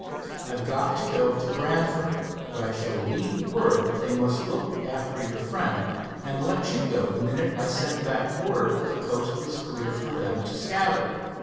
I've got to go to Brantford, but I shall leave word that they must look after your friend, and let you go the minute I send back word that the coast is clear for them to scatter."